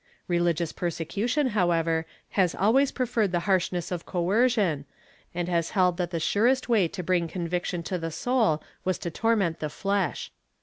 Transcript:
Religious persecution, however, has always preferred the harshness of coer cion, and has held that the surest way to bring conviction to the soul was to torment the flesh.